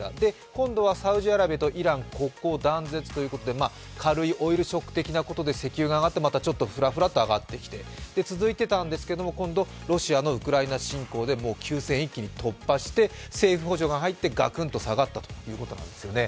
今度はサウジアラビアとイラン国交断絶ということで軽いオイルショック的なことで石油が上がってまたふらふらと上がってきて、続いてたんですけども、今度ロシアのウクライナ侵攻で９０００円を一気に突破して、政府補助が入ってガクンと下がったということなんですよね。